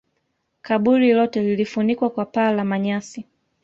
kaburi lote lilifunikwa kwa paa la manyasi